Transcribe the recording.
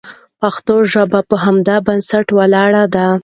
پښتو ژبه په همدې بنسټ ولاړه ده.